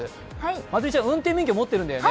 まつりちゃん運転免許持ってるんだよね？